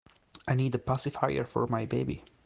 I need a pacifier for my baby.